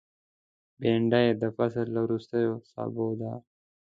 بېنډۍ د فصل له وروستیو سابو ده